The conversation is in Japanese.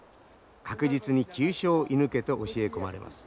確実に急所を射ぬけと教え込まれます。